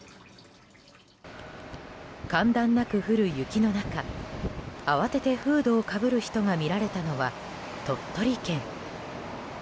間断なく降る雪の中慌ててフードをかぶる人が見られたのは鳥取県。